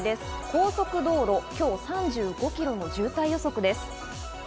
高速道路、今日３５キロの渋滞予測です。